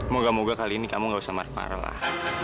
moga moga kali ini kamu gak usah marah marah lah